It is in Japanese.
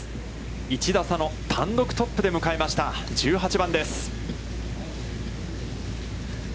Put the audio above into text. １打差の単独トップで迎えました、１８番です。